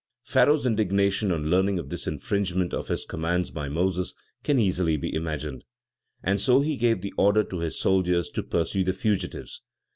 Pharaoh's indignation on learning of this infringement of his commands by Moses, can easily be imagined. And so he gave the order to his soldiers to pursue the fugitives.